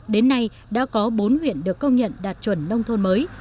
đến nay đã có bốn huyện được công nhận đạt chuẩn nông thôn mới